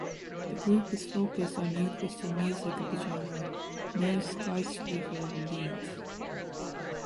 The group is focused on new Christian music of the genre Neues Geistliches Lied.